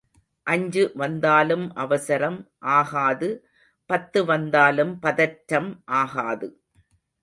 அஞ்சு வந்தாலும் அவசரம் ஆகாது பத்து வந்தாலும் பதற்றம் ஆகாது.